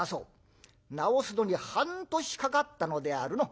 治すのに半年かかったのであるのう。